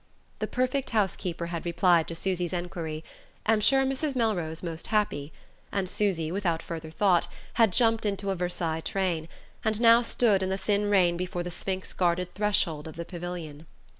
The perfect house keeper had replied to Susy's enquiry: "Am sure Mrs. Melrose most happy"; and Susy, without further thought, had jumped into a Versailles train, and now stood in the thin rain before the sphinx guarded threshold of the pavilion.